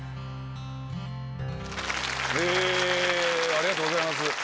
ありがとうございます。